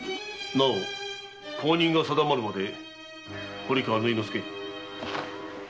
なお後任が定まるまで堀川縫殿助。